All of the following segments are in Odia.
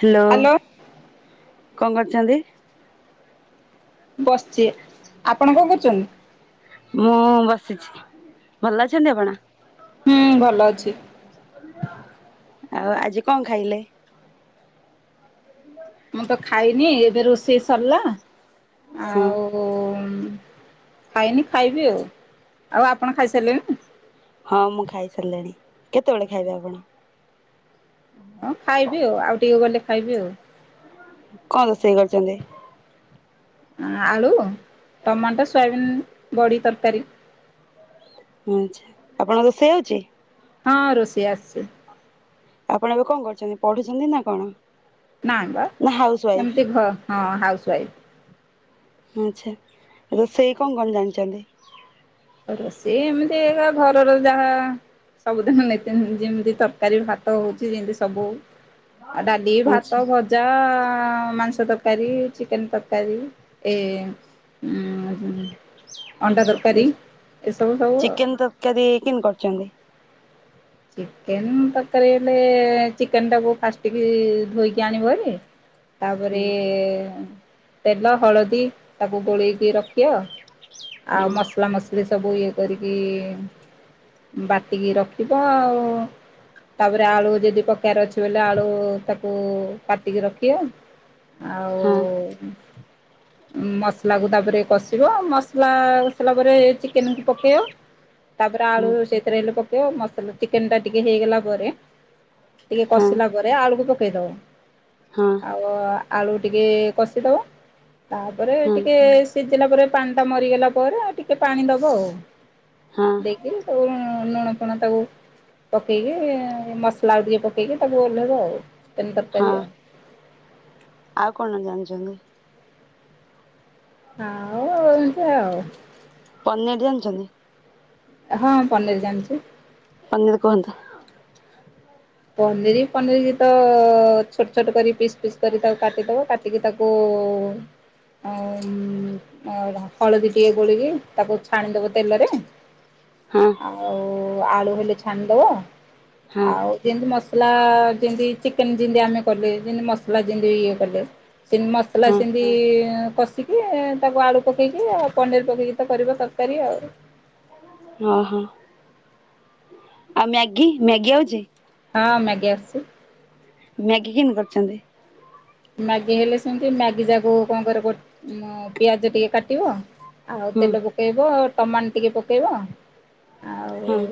ହ୍ୟାଲୋ। କଣ କରୁଛନ୍ତି? ବସିଚି। ଆପଣ କଣ କରୁଛନ୍ତି? ସିଚି ଭଲ ଅଛନ୍ତି ଆପଣ? ହୁଁ ଭଲ ଅଛି। [inaudible] ଆଉ ଆଜି କଣ ଖାଇଲେ? ମୁଁ ତ ଖାଇନି ଏବେ ରୋଷେଇ ସରିଲା। ହଁ ଆଉ ଖାଇନି ଖାଇବି ଆଉ ଆଉ ଆପଣ ଖାଇସାରିଲେଣି? ହଁ ମୁଁ ଖାଇ ସାରିଲିଣି କେତେବେଳେ ଖାଇବେ ଆପଣ? ହଁ ଖାଇବି ଆଉ ଆଉ ଟିକେ ଗଲେ ଖାଇବି ଆଉ। କଣ ରୋଷେଇ କରିଛନ୍ତି? ଆଳୁ ଟମାଟୋ ସୋୟାବିନ୍ ବଡି ତରକାରୀ। ଆଛା ଆପଣଙ୍କ ରୋଷେଇ ଆଉଛି। ହଁ ରୋଷେଇ ଆସୁଛି। ଆପଣ ଏବେ କଣ କରୁଛନ୍ତି ପଢୁଛନ୍ତି ନା କଣ? ନାଇଁ ବା ନା ହାଉସ ୱାଇଫ୍? ଏମିତି ଘ ହଁ ହାଉ ୱାଇଫ। ଆଛା ଏ ରୋଷେଇ କଣ କଣ ଜାଣିଛନ୍ତି? ରୋଷେଇ ଏମିତି ଘରର ଯାହା ସବୁଦିନ ନିତୀ ଯେମିତି ତରକାରୀ ଭାତ ହଉଛି ଯେମିତି ସବୁ ଆଉ ଡାଲି ଆଚ୍ଛା। ଭାତ ଭଜା ଆ ହଁ ମାଂସ ତରକାରୀ ଚିକେନ ତରକାରୀ ଏ ଅଣ୍ଡା ତରକାରୀ। ଏସବୁ ସବୁ ଆଉ। ଚିକେନ ତରକାରି କେମତି କରୁଛନ୍ତି? ଚିକେନ ତରକାରୀ ହେଲେ ଚିକେନ ଟାକୁ ଫାଷ୍ଟକିରି ଧୋଇକି ଆଣିବହାରି। ହୁଁ ତାପରେ ଏ ତେଲ ହଳଦୀ ତାକୁ ଗୋଳେଇକି ରଖିବ। ହୁଁ ଆଉ ମସଲା ମସଲି ସ୍ ସବୁ ଇଏ କରିକି ବାଟିକି ରଖିଵୁ ତ ଆଉ ତାପରେ ଆଳୁ ଯଦି ପକେଵାର ଅଛି ବୋଲେ ଆଳୁ ତାକୁ କାଟିକି ରଖିବ। ଆଉ ହଁ ଉ ମସଲାକୁ ତାପରେ କଷିବ ମସଲା କଷିଲା ପରେ ଚିକେନକୁ ପକେଇବ। ତାପରେ ହଁ ଆଳୁ ସେଇଥିରେ ହେଲେ ତୋ ମ ଟୁ ଚିକେନ ଟା ଟିକେ ହେଇଗଲା ପରେ। ଟିକେ ହଁ କସିଲା ପରେ ଆଳୁକୁ ପକ କେଇଦବ। ହଁ ଆଉ। ଆଳୁ ଟିକେ କଷିଦବ ତାପରେ ହଁ ଟିକିଏ ସିଝିଲା ପରେ ପାଣିଟା ମରିଗଲା ପରେ ଆଉ ଟିକେ ପାଣି ଦବ ଆଉ ହଁ ଦେଇକି ତାକୁ ଲୁଣ ଫୁଣ ତାକୁ ପକେଇକି ମସଲା ଆଉ ଟିକେ ପକେଇକି ତାକୁ ଓଲ୍ହେଇବ ଆଉ। ଚିକେନ ହଁ ତରକାରୀ ଆ ଆଉ କଣ ଜାଣିଛନ୍ତି? ଆଉ ଆଉ ଏନ୍ତି ଆଉ। ପନିରି ଜାଣିଛନ୍ତି? ହଁ ପନିରି ଜାଣିଛି। ପନିରି କୁହନ୍ତୁ। ପନିରି ପନିରି ତ ଛୋଟ ଛୋଟ କରି ପିସ୍ ପିସ୍ କରି ତାକୁ କାଟିଦେବ କାଟିକି ତାକୁ ହଳଦୀ ଟିକେ ଗୋଳେଇକି ତାକୁ ଛାଣିଦେବ ତେଲରେ ହଁ ଆଉ ଆଳୁ ହେଲେ ଛାଣିଦବ ହଁ ଆଉ। ଯେମିତି ମସଲା ଯେମିତି ଚିକେନ ଯେମିତି ଆମେ କଲେ ଯେମତି ମସଲା ଯେମିତି ଇଏ କଲେ ସେମତି ମସଲା ହଁ ସେମିତି କଷିକି ତାକୁ ଆଳୁ ପକେଇକି ଆଉ ପନିରି ପକେଇକି ତ କରିବ ତରକାରୀ ଆଉ। ହଁ ହଁ। ଆଉ ମ୍ୟାଗି ମ୍ୟାଗି ଆଉଛି? ହଁ ମ୍ୟାଗି ଆସିଛି। ମ୍ୟାଗି କେନ୍ତି କରୁଛନ୍ତି। ମ୍ୟାଗି ହେଲେ ସେମିତି ମ୍ୟାଗି ଯାକୁ କଣ କରିବ ପିଆଜ ଟିକେ କାଟିବ। ଆଉ ହୁଁ ତେଲ ପକେଇବ। ଟମା ଟିକେ ପକେଇବ। ଆଉ ହଁ ଏ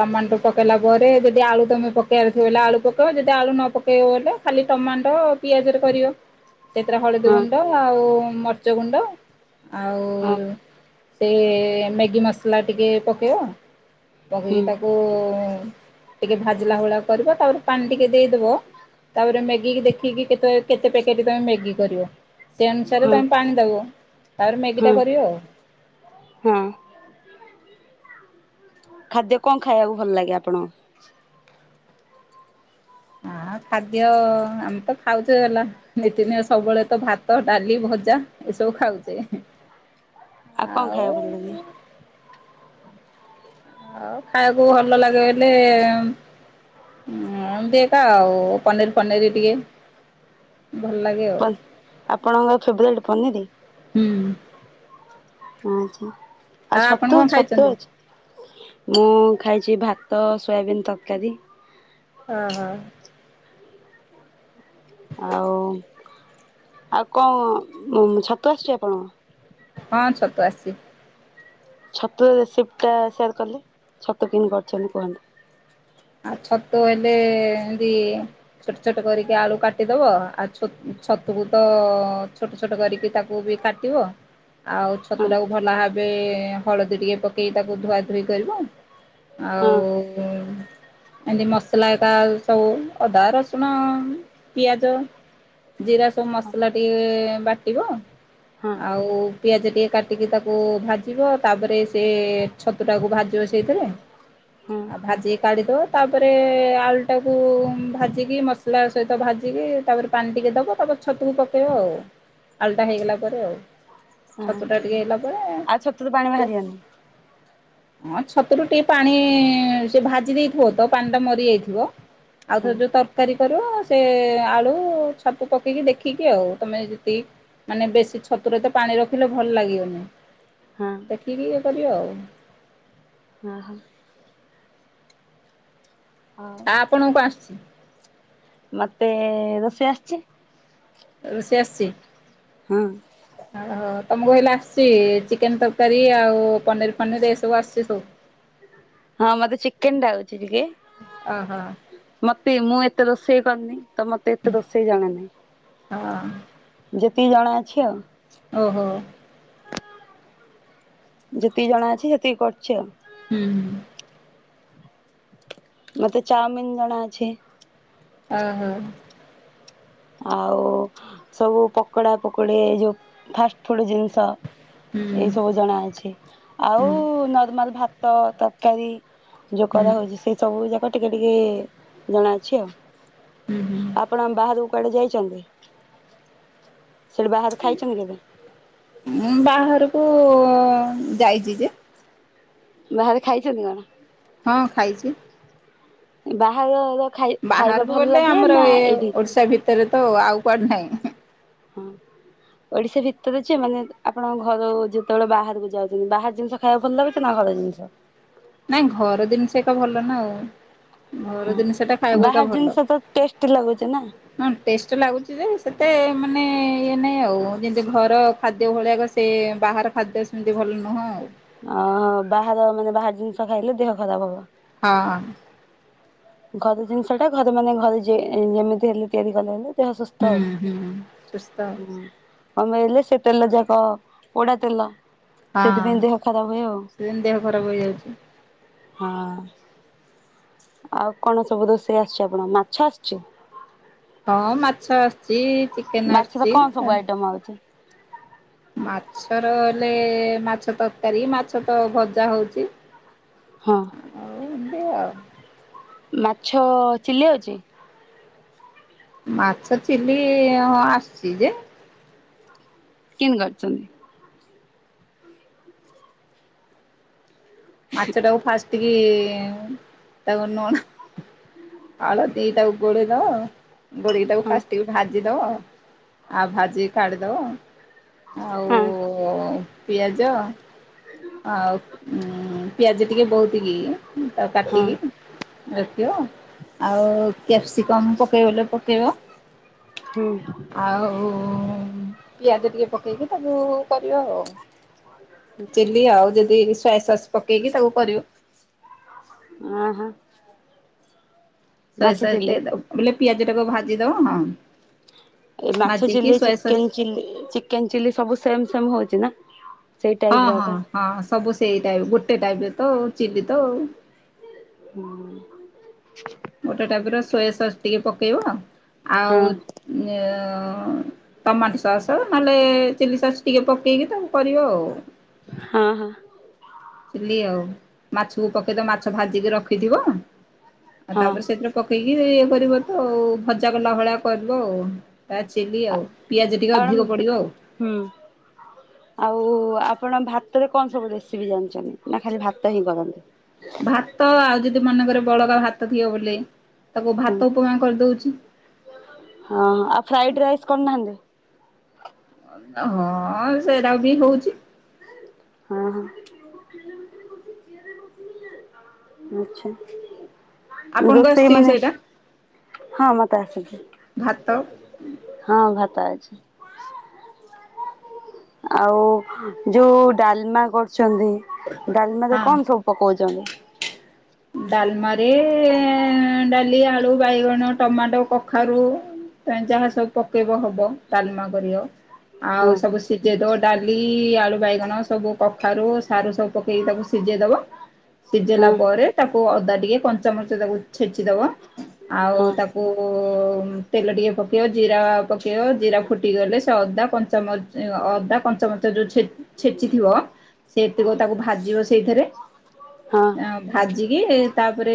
ଟମାଟୋ ପକାଇଲା ପରେ ଯଦି ଆଳୁ ତୁମେ ପକାଇବାର ଥିବ ବଲେ ଆଳୁ ପକାଇବ ଯଦି ଆଳୁ ନ ପକାଇବ ବଲେ ଖାଲି ଟମାଟ ପିଆଜ ରେ କରିବ ସେଥିରେ ହଳଦୀ ହଁ ଗୁଣ୍ଡ ଆଉ ମରିଚ ଗୁଣ୍ଡ। ଆଉ ହଁ ସେ ମ୍ୟାଗି ମସଲା ଟିକେ ପକେଇବ। ହୁଁ ପକେଇକି ତାକୁ ଟିକେ ଭାଜିଲା ଭଳିଆ କରିବ ତାପରେ ପାଣି ଟିକେ ଦେଇଦବ ତାପରେ ମ୍ୟାଗି କି ଦେଖି ଦେଖିକି କେତେ ପ୍ୟାକେଟ ପାଇଁ ମ୍ୟାଗି କରିବ। ସେ ଅନୁସାରେ ହଁ ତମେ ପାଣି ଦବ। ତାପରେ ମ୍ୟାଗି ଟା ହଁ କରିବ ଆଉ। ହଁ ଖାଦ୍ୟ କଣ ଖାଇବାକୁ ଭଲ ଲାଗେ ଆପଣ। ଆଁ ଖାଦ୍ୟ ଆମେ ତ ଖାଉଚେ ହେଲା ନିତିି ଦିନ ସବୁବେଳେ ତ ଭାତ ଡାଲି ଭଜା ଏସବୁ ଖାଉଚେ। ଆଉ କଁ ଖାଇବାକୁ ଭଲ ଲାଗେ? ଆଉ ଖାଇବାକୁ ଭଲ ଲାଗେ ବଲେ ଉଁ ଏମତି ଏକା ଆଉ ପନିର ଫନିର ଟିକେ। ଭଲ ଲାଗେ ଆଉ। କନ୍ ଆପଣଙ୍କ ଫେବରେଟ ପନିର? ହୁଁ ଆଚ୍ଛା। ଆଉ ଆପଣ ଛତୁ କଣ ଛତୁ ଖାଇଛନ୍ତି? ଅଛି ମୁଁ ଖାଇଚି ଭା ତ ସୋୟାବିନ ତକାରି ହ ହ। ଆଉ ଆଉ କଁ ଛତୁ ଉଁ ଆସୁଚି ଆପଣଙ୍କ ହଁ ଛତୁ ଅସଚି। ଛତୁର ରେସିପଟା ସେୟାର୍ କଲେ ଛତୁ କେନ୍ କରଛନ୍ତି କୁହନ୍ତୁ। ଆ ଛତୁ ଏଲ ଲେ ଏନ୍ତି ଛୋଟ ଛୋଟ କରିକି ଆଳୁ କାଟିଦବ। ଆ ଛ ଛତୁକୁ ତ ଛୋଟ ଛୋଟ କରିକି ତାକୁ ବି କାଟିବ। ଆଉ ହଁ ଛତୁଟାକୁ ଭଲ ଭାବେ ହଳଦୀ ଟିକେ ପକେଇ ତାକୁ ଧୁଆ ଧୋଇ କରିବ। ହଁ ଆଉ ଏନ୍ତି ମସଲା ଏକା ସବୁ ଅଦା ରସୁଣ ପିଆଜ ଜିରା ସବୁ ହଁ ମସଲା ଟିଏ ବାଟିବ ଆଉ ପିଆଜ ଟିଏ କାଟିକି ତାକୁ ଭାଜିବ ତାପରେ ସେ ଛତୁଟାକୁ ଭାଜିବ ସେଇଥିରେ। ହଁ ଆଉ ଭାଜି କାଢି ଦଅ ତାପରେ ଆଳୁଟାକୁ ଭାଜିକି ମସଲା ସହିତ ଭାଜିକି ତାପରେ ପାଣି ଟିକେ ଦବ ତାପରେ ଛତୁକୁ ପକାଇବ ଆଉ। ଆଳୁଟା ହେଇଗଲା ପରେ ଆଉ। ହଁ ଛତୁଟା ଟିକେ ହେଇଗଲା ପରେ ଆଉ ଛତୁରୁ ପାଣି ବାହାରିବନି। ହଁ ଛତୁରୁ ଟିଏ ପାଣି ସେ ଭାଜି ଦେଇ ବୁ ତ ପାଣିଟା ମରିଯାଇଥିବ। ହଁ ଆଉଥର ଯୋଉ ତରକାରୀ କରିବ ସେ ଆଳୁ ଛତୁ ପକେଇକି ଦେଖିକି ଆଉ ତମେ ଯେତି ମାନେ ବେଶୀ ଛତୁରେ ତ ପାଣି ରଖିଲେ ଭଲ ଲାଗିବନି। ହଁ ଦେଖିକି ଇଏ କରିବ ଆଉ। ହଁ ହଁ। ହଉ ଆ ଆପଣଙ୍କୁ ଆସୁଚି। ମତେ ରୋଷେଇ ଆସଚି। ରୋଷେଇ ଆସଚି। ହଁ। ଆଉ ହ ତମକୁ ହେଲେ ଆସଚି ଚିକେନ ତରକାରୀ ଆଉ ପନିର ଫନିର ଏସବୁ ଆସୁଚି ସବୁ। ହଁ ମତେ ଚିକେନ ଟା ହଉଛି ଟିକେ ଓହୋ ସେ ମୁଁ ଏତେ ରୋଷେଇ କରିନି। ତ ମତେ ଏତେ ରୋଷେଇ ଜଣା ହଁ ନାହିଁ। ତିକି ଜଣାଅଛି ଆଉ। ଓହୋ। ଯେତିକି ଜଣା ଅଛି ସେତିକି କରୁଛି ଆଉ। ହୁଁ ହ ମତେ ଚାଉମିିନ ଜଣା ଅଛି। ଓ ହୋ ଆଉ ସବୁ ପକୋଡା ପକୋଡି ଯୋଉ ଫାଷ୍ଟ ଫୁଡ ଜିନିଷ ହୁଁ ଏଇ ସବୁ ଜଣା ଅଛି ଆଉ ହୁଁ ନର୍ମାଲ ଭାତ। ତ ତକାରୀ ଯୋଉ ହୁଁ କରା ହଉଛି ସେଇ ସବୁ ଜାକ ଟିକେ ଟିକେ ଜଣାଅଛି ଆଉ। ହୁଁ ହୁଁ ଆପେଣ ବାହାରୁ ପଡି ଯାଇଛନ୍ତି। ସେଠି ବାହାରେ ଖାଇଛନ୍ତି କେବେ ବାହାରୁ କୁ ଯାଇଛି ଯେ ବାହାରେ ଖାଇଛନ୍ତି କଣ? ହଁ ଖାଇଛି। ବାହାରର ଖାଇ ଖାଇବା ବାହାରକୁ ଭଲ ବଲେ ଲାଗେ ଆମର ନା ଏ ଏଇଠି ଓଡିଶା ଭିତରେ ତ ଆଉ କୁଆଡ଼େ ନାହିଁ। ହଁ ଓଡିଶା ଭିତରେ ଯେ ମାନେ ଆପଣଙ୍କ ଘର ଯେତେବେଳେ ବାହାରକୁ ଯାଉଛନ୍ତି ବାହାର ଜିନିଷ ଖାଇବାକୁ ଭଲ ଲାଗୁଛି ନା ଘର ଜିନିଷ? ନାଇଁ ଘର ଜିନିଷ ଏକ ଭଲ ନା ଆଉ। ଘର ହଁ ଜିନିଷ ଟା ଖାଇବାକୁ ଏକା ବାହାର ଭଲ ଜିନିଷ ତ ଟେଷ୍ଟି ଲାଗୁଛି ନା ହଁ ଟେଷ୍ଟ ଲାଗୁଛି ଯେ ଏତେ ମାନେ ଇଏ ନାହିଁ ଆଉ ଯେମିତି ଘର ଖାଦ୍ୟ ଭଳିଆକ ସେ ବାହାର ଖାଦ୍ୟ ସେମିତି ଭଲ ନୁହେଁ ଆଉ। ଅହ ବାହାର ମାନେ ବାହାର ଜିନିଷ ଖାଇଲେ ଦେହ ଖରାପ ହବ। ହଁ ଘରେ ଜିନିଷ ଟା ଘରେ ମାନେ ଘରେ ଯେମିତି ହେଲେ ତିଆରି କଲେ ହେଲେ। ଦେହ ସୁସ୍ଥ ହୁଁ ଆଉ। ହୁଁ ସୁସ୍ଥ କମେଇଲେ ସେ ତେଲ ଯାକ ପୋଡା ତେଲ। ହଁ ସେଥିପାଇଁ ଦେହ ଖରାପ ହୁଏ ଆଉ। ସେଦିନ ଦେହ ଖରାପ ହେଇଯାଉଛି ହଁ ଆଉ କଣ ସବୁ ରୋଷେଇ ଆସିଛି ଆପଣ ମାଛ ଆସିଛି? ହଁ ମାଛ ଆସ ମାଛ ତ କଣ ସବୁ ଆଇଟମ ହଉଛି? ମାଛର ହେଲେ ମାଛ ତରକାରୀ ମାଛ ତ ଭଜା ହଉଚି। ହଁ ଚି ଆଉ। ମାଛ ଚିଲି ଆଉଚି। ମାଛ ଚିଲି ଇ-ଇ ଆସୁଛି ଯେ କିନ୍ କରିଛନ୍ତି? ମାଛଟା କୁ ଫାଷ୍ଟ୍ ଏତିକି ତାକୁ ନ ଆଳତି ତାକୁ ଗୋଳେଇ ଦବ ଗୋଳିକି ତାକୁ ହଁ ଫାଷ୍ଟ୍ ଟିକେ ଭାଜି ଇ ଦବ ଆଉ ଭାଜିକି କାଢିଦବ। ଆଉ ହଁ ଉ-ଉ-ଉ ପିଆଜ ଆଉ ଉ ପିଆଜ ଟିକେ ବହୁତି କି ତା ହଁ କାଟିକି ରଖିବ। ଆଉ କ୍ୟାପ୍ସିକମ୍ ପକେଇବଲେ ପକେଇବ ହୁଁ ଆଉ ପିଆଜ ଟିକେ ପକେଇକି ତାକୁ କରିବ ଆଉ। ଚିଲି ଆଉ ଯଦି ପାଏ ସସ୍ ପକେଇକି ତାକୁ କରିବ। ଆଁ ହାଁ। ସୋଏ ସସ୍ ଟିକେ ଦେବ ବୋଲେ ପିଆଜ ତାକୁ ଭାଜିଦବ। ଏ ମାଛ ଭାଜିକି chilli soya sauce chicken chilli chicken chilli ସବୁ ସେମ୍ ସେମ୍ ହଉଛି ନା। ସେଇ ହଁ ଟାଇପ ର ହଁ ଏକା ହଁ ସବୁ ସେଇ ଟାଇପ୍ ଗୋଟେ ଟାଇପର ତ। ଚିଲି ତ ଅ। ହୁଁମ୍। ଗୋଟେ ଟାଇପ୍ ର ସୋୟା ସସ୍ ଟିକେ ପକେଇବ। ଆଉ ହଁ। ୟ-ୟ-ୟ ଟମାଟୋ ସସ୍ ନହେଲେ ଚିଲି ସସ୍ ଟିକେ ପକେଇକି ତାକୁ କରିବ ଅ-ଅ। ହଁ ହଁ। ଚିଲି ଆଉ ମାଛକୁ ପକେଇଦବ ମାଛ ଭାଜିକି ରଖିଥିବ। ଆ ହଁ ତାପରେ ସେଥିରେ ପକେଇ ଇଏ ଏ-ଏ କରିବ ତ ଭଜା କଲା ଭଳିଆ କରିବ। ତା ଚିଲି ଆଉ ପିଆଜ ଟିକେ ଆଉ ଅଧିକ ମ୍ୟାଡ଼ାମ ପଡିବ। ହୁଁ। ଆଉ ଆପଣ ଭାତରେ କଣ ସବୁ ରେସିପି ଜାଣିଛନ୍ତି ନା ଖାଲି ଭାତ ହିଁ କରନ୍ତି? ଭାତ ଆଉ ଯ ଦି ମନେକର ବଳକା ଭାତ ଥିବ ବୋଲେ ହୁଁ ହଁ ଆଉ ଫ୍ରାଇଡ୍ ରାଇସ୍ କରୁ ନାହାନ୍ତି? ହଁ ସେଇଟା ବି ହୋଉଚି। ହଁ ହ [inaudible] ଆଛା। ଆପଣଙ୍କୁ ରୋଷେଇ ଆସିଛି ମାନେ ସେଇଟା ହଁ ମା ତାସିକ [unintelligible] ଭାତ ହଁ ଭାତା ଅଛି। ଆଉ ଯୋଉ ଡାଲମା କରୁ ଛନ୍ତି ଡାଲମାରେ ହଁ କଣ ସବୁ ପକାଉଛନ୍ତି? ଡାଲମାରେ ଡାଲି ଆଳୁ ବାଇଗଣ ଟମାଟୋ କଖାରୁ ଯାହା ସବୁ ପକେଇବ ହବ ଡାଲମା କରିବ। ଆଉ ହଁ ସବୁ ଶୀ ସିଝେଇଦ ଡାଲି ଆଳୁ ବାଇଗଣ ସବୁ କଫାରୁ ସାରୁ ସବୁ ପକେଇକି ତାକୁ ସିଝେଇ ଦବ। ସିଝେଇଲା ହଁ ପରେ ତାକୁ ଅଦା ଟିକେ କଞ୍ଚାମଚ ତାକୁ ଛେଚିଦବ ଆଉ ହଁ ତାକୁ ତେଲ ଟିକେ ପକେଇବ ଜିରା ପକେଇବ ଜିରା ଫୁଟିଗଲେ ସେ ଅଦା କଞ୍ଚାମରିଚ ଅଦା କଞ୍ଚାମରିଚ ଯେଉଁ ଛେଚିଥିବ ସେ ଏତିକ ତାକୁ ଭାଜିବ ସେଇଥିରେ ହଁ ହଁ ଭାଜିକି ତାପରେ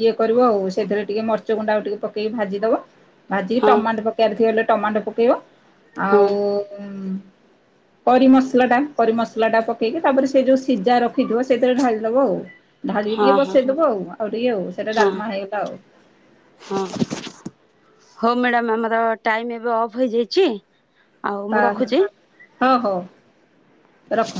ଇଏ କରିବ ଆଉ ସେଥିରେ ଟିକେ ମରିଚ ଗୁଣ୍ଡ ଆଉ ଟିକେ ପକେଇକି ଭାଜିଦବ ଭାଜିକି ହଁ ହଁ ଟମାଟୋ ପକେଇବାର ଥିବ ହେଲେ ଟମାଟୋ ପକେଇବ ଆଉ ହଁ କରିମସଲାଟା କରିମସଲାଟା ପକେଇକି ତାପରେ ସେ ଯେଉଁ ସିଝା ରଖ ିବ ସେଇଥିରେ ଢାଲିଦବଆଉ ଢାଳି ଟିକେ ହଁ। ହଁ ବସେଇଦବ ଆଉ ହଉ ଟିକେ ଆଉ ସେଟା ଡାଲମା ହଁ ହେଇଗଲା ଆଉ। ହଉ ମ୍ୟାଡ଼ାାମ ଆମର ଟାଇମ ଏବେ ଅଫ୍ ହେଇଯାଇଛି। ଆଉ ହ ମୁଁ ହ ରଖୁଛି। ହଁ ହଉ ରଖ।